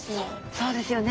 そうですよね。